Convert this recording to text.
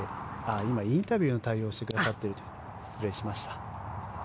今、インタビューの対応をしてくださっているということで失礼しました。